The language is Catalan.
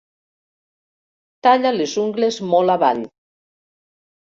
Talla les ungles molt avall.